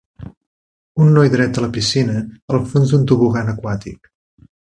Un noi dret a la piscina al fons d'un tobogan aquàtic.